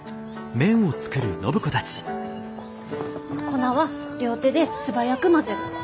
粉は両手で素早く混ぜる。